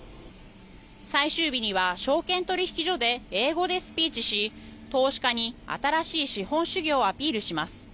最終日には証券取引所で英語でスピーチし投資家に新しい資本主義をアピールします。